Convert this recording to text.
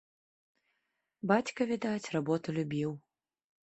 Бацька, відаць, работу любіў.